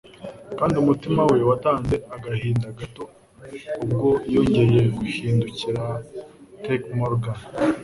Kandi umutima we watanze agahinda gato ubwo yongeye guhindukirira Ted Morgan